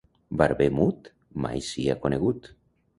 Barber mut mai sia conegut.